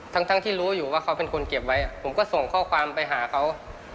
ทั้งที่รู้อยู่ว่าเขาเป็นคนเก็บไว้ผมก็ส่งข้อความไปหาเขา